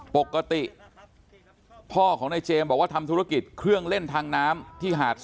ปกติพ่อของนายเจมส์บอกว่าทำธุรกิจเครื่องเล่นทางน้ำที่หาด๒